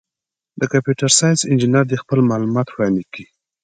د کمپیوټر ساینس انجینر دي خپل معلومات وړاندي کي.